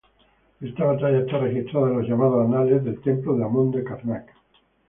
Esta batalla está registrada en los llamados "Anales" del templo de Amon de Karnak.